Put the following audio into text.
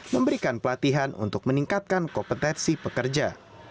memberikan pelatihan untuk meningkatkan kompetensi pekerja